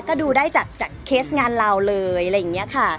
ก็ดูได้จากเคสงานเราเลยอะไรอย่างนี้ค่ะ